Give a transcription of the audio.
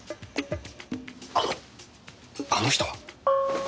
あのあの人は？